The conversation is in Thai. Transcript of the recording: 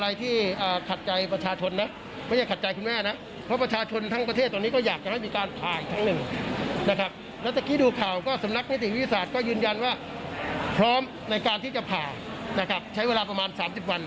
อย่างนี้จะผ่านใช้เวลาประมาณ๓๐วัน